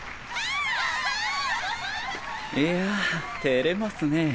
いやてれますねぇ。